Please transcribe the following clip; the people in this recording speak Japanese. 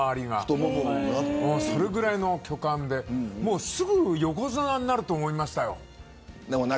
そのぐらいの巨漢ですぐに横綱になると思いました。